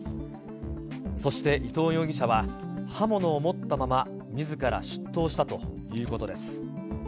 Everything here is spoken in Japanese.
そして伊藤容疑者は、刃物を持ったまま、みずから出頭したということです。